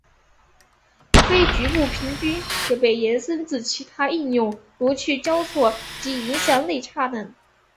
非局部平均也被延伸至其他应用如去交错及影像内插等。